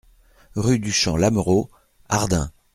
Rue du Champ Lameraud, Ardin